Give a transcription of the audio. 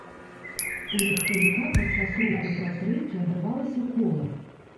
У легкавіка падчас руху праз рэйкі адарвалася кола.